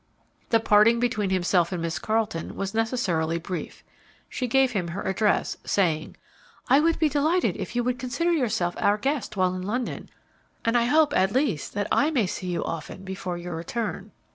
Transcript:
The parting between himself and Miss Carleton was necessarily brief. She gave him her address, saying, "I would be delighted if you could consider yourself our guest while in London, and I hope at least that I may see you often before your return."